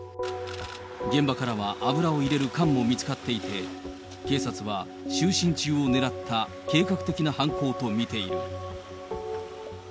現場からは油を入れる缶も見つかっていて、警察は就寝中を狙った計画的な犯行と見ている。